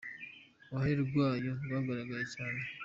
Uruhare rw’ayo rwaragaragaye cyane.